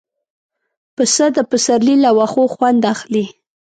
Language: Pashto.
پسه د پسرلي له واښو خوند اخلي.